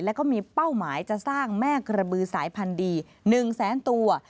แล้วก็มีเป้าหมายจะสร้างแม่กระบือสายพันธุ์ดี๑แสนตัว